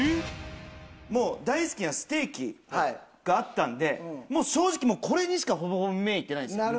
もう大好きなステーキがあったのでもう正直これにしかほぼほぼ目いってないんですよ。